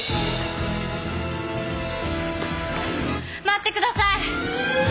待ってください。